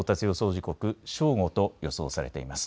時刻、正午と予想されています。